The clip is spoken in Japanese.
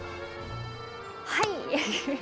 はい！